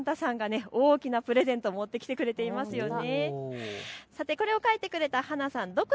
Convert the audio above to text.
サンタさんが大きなプレゼントを持ってきてくれていますね。